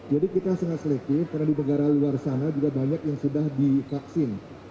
jadi kita sangat selektif karena di negara luar sana juga banyak yang sudah divaksin